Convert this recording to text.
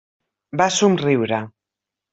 Va somriure.